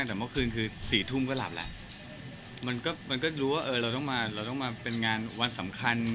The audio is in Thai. ก็รู้ว่าเราต้องมาเป็นงานวันสำคัญ